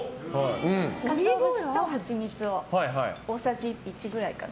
かつおぶしとハチミツを大さじ１ぐらいかな。